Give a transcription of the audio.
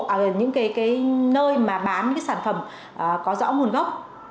ở những cái nơi mà bán những cái sản phẩm có rõ nguồn gốc